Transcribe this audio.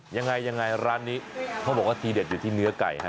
ยังไงยังไงร้านนี้เขาบอกว่าทีเด็ดอยู่ที่เนื้อไก่ฮะ